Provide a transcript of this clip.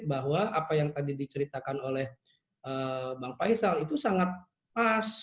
bahwa apa yang tadi diceritakan oleh bang faisal itu sangat pas